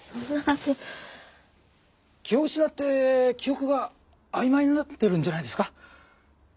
気を失って記憶が曖昧になってるんじゃないですか？